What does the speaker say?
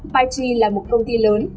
phai chi là một công ty lớn